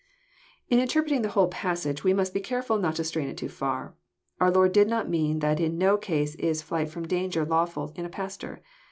In interpreting this whole passage we must be careful not to strain it too far. Our Lord did not mean that in no case is flight ftom danger lawful in a pastor.